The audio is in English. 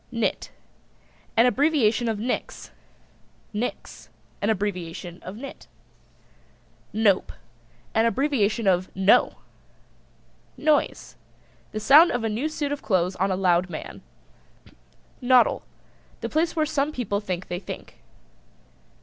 NIT. An abbreviation of Nix. NIX. An abbreviation of Nit. NOPE. An abbreviation of No! NOISE. The sound of a new suit of clothes on a loud man. NODDLE. The place where some people think they think.